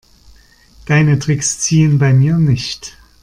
Deine Tricks ziehen bei mir nicht.